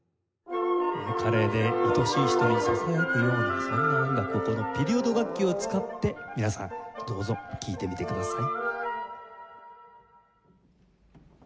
華麗で愛しい人にささやくようなそんな音楽をこのピリオド楽器を使って皆さんどうぞ聴いてみてください。